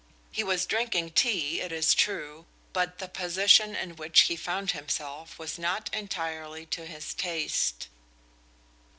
He was drinking tea, it is true, but the position in which he found himself was not entirely to his taste.